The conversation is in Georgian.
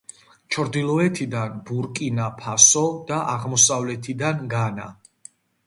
ჩრდილოეთიდან ბურკინა-ფასო და აღმოსავლეთიდან განა.